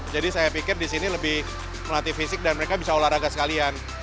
jadi saya pikir disini lebih melatih fisik dan mereka bisa olahraga sekalian